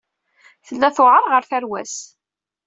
Tella tewɛer ɣer tarwa-s.